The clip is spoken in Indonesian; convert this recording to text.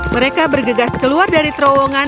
mereka bergegas keluar dari terowongan